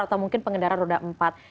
atau mungkin pengendara roda empat